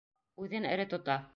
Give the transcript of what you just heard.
Үҙен эре тота.